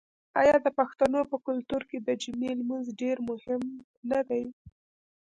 آیا د پښتنو په کلتور کې د جمعې لمونځ ډیر مهم نه دی؟